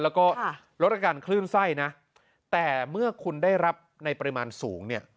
แล้วก็ลดอาการคลื่นไส้นะแต่เมื่อคุณได้รับในปริมาณสูงเนี่ย